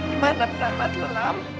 gimana bener bener mati lelam